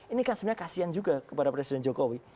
ini kan sebenarnya kasian juga kepada presiden jokowi